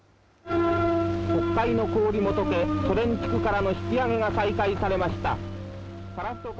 北海の氷もとけ、ソ連からの引き揚げが再開されました。